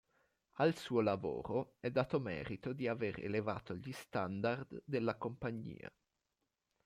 Al suo lavoro è dato merito di aver elevato gli standard della compagnia.